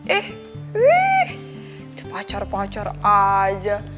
eh wih pacar pacar aja